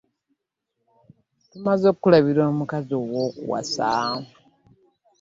Tumaze okukulabira omukazi ow'okuwasa.